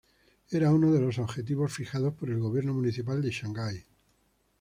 Era uno de los objetivos fijados por el gobierno municipal de Shanghái.